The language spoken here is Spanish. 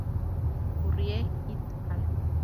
Currie et al.